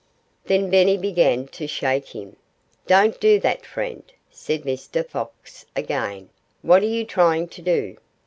Then Benny began to shake him. "Don't do that, friend!" said Mr. Fox again. "What are you trying to do?"